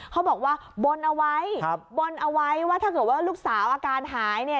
เขาบอกว่าบนเอาไว้บนเอาไว้ว่าถ้าเกิดว่าลูกสาวอาการหายเนี่ย